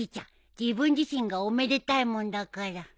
自分自身がおめでたいもんだから。